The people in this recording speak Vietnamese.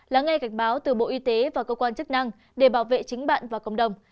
lắng nghe gạch báo từ bộ y tế và cơ quan chức năng để bảo vệ chính bạn và cộng đồng